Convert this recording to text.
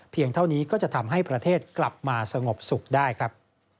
เท่านี้ก็จะทำให้ประเทศกลับมาสงบสุขได้ครับ